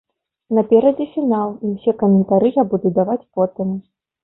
Наперадзе фінал і ўсе каментары я буду даваць потым.